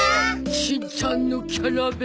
しんちゃんのキャラ弁。